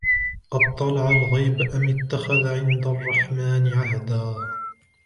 أطلع الغيب أم اتخذ عند الرحمن عهدا